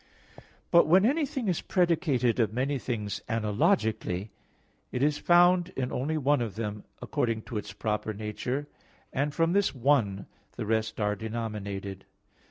But when anything is predicated of many things analogically, it is found in only one of them according to its proper nature, and from this one the rest are denominated.